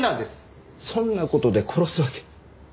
そんな事で殺すわけ。